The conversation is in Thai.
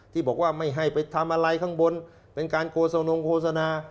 ที่บอกว่าไม่ให้ไปทำอะไรข้างบนเป็นการโฆษณงโฆษณา